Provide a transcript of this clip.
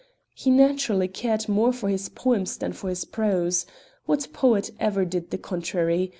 He naturally cared more for his poems than for his prose. What poet ever did the contrary?